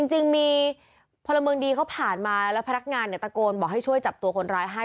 จริงมีพลเมืองดีเขาผ่านมาแล้วพนักงานเนี่ยตะโกนบอกให้ช่วยจับตัวคนร้ายให้